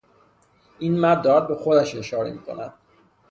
این مرد دارد به خودش اشاره میکند.